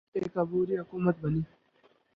ایک عبوری حکومت بنی۔